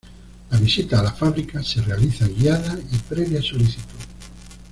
La visita a la fábrica se realiza guiada y previa solicitud.